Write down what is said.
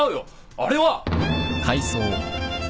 あれは！